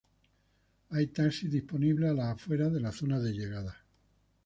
Hay taxis disponibles a las afueras de la zona de llegadas.